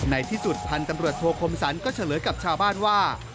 ในที่สุดพันธุ์ตำรวจโทคมสรรก็เฉลยกับชาวบ้านว่า